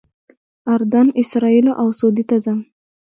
اردن، اسرائیلو او سعودي ته ځم.